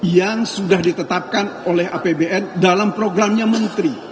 yang sudah ditetapkan oleh apbn dalam programnya menteri